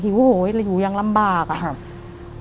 หิวเหาะอยู่อย่างลำบากอะ